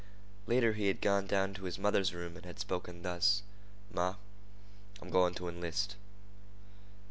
Later, he had gone down to his mother's room and had spoken thus: "Ma, I'm going to enlist."